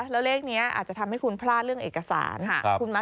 แล้วเลขนี้อาจจะทำให้คุณพลาดเรื่องเอกสาร